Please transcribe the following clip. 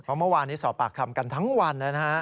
เพราะเมื่อวานนี้สอบปากคำกันทั้งวันนะฮะ